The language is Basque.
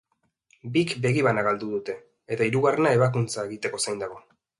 Bik begi bana galdu dute eta hirugarrena ebakuntza egiteko zain dago.